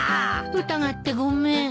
疑ってごめん。